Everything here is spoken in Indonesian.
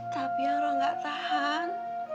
tapi yang roh gak tahan